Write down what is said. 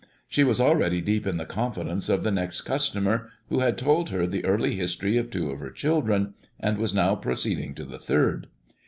She was already deep in the confidence of the next customer, who had told her the early history of two of her children, and was now proceeding to the third.